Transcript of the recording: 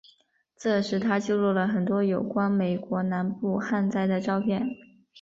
这时他记录了很多有关美国南部旱灾的照片。